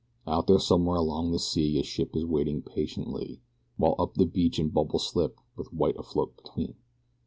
Out there somewhere along the sea a ship is waiting patiently, While up the beach the bubbles slip with white afloat between.